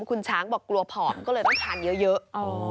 คุณช้างบอกกลัวผอมก็เลยต้องทานเยอะ